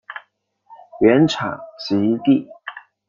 原产极地。